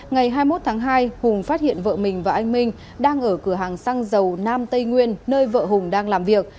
ngày hai mươi một tháng hai hùng phát hiện vợ mình và anh minh đang ở cửa hàng xăng dầu nam tây nguyên nơi vợ hùng đang làm việc